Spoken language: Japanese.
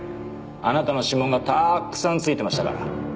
あなたの指紋がたくさん付いてましたから。